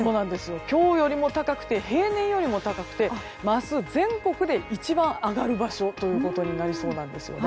今日よりも高くて平年よりも高くて明日全国で一番上がる場所ということになりそうなんです。